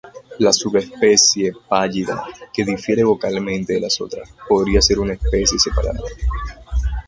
La subespecie "pallida", que difiere vocalmente de las otras, podría ser una especie separada.